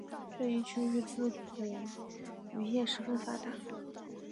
这一区域自古渔业十分发达。